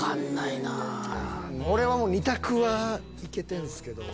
俺は２択は行けてるんすけど。